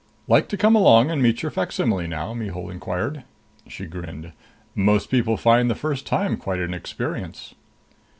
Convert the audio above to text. "Like to come along and meet your facsimile now?" Mihul inquired. She grinned. "Most people find the first time quite an experience."